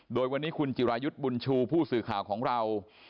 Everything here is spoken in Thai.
โดยวันนี้คุณจิรายุทธ์บุญชูผู้สื่อข่าวของเรา